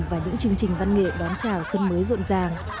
và những chương trình văn nghệ đón chào xuân mới rộn ràng